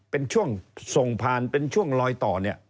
เป็นช่วงส่งผ่านเป็นช่วงลอยต่อเนี่ย